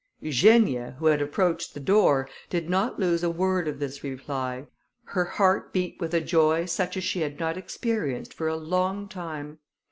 Eugenia, who had approached the door, did not lose a word of this reply: her heart beat with a joy such as she had not experienced for a long time.